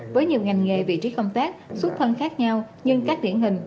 với nhiều ngành nghề vị trí công tác xuất thân khác nhau nhưng các điển hình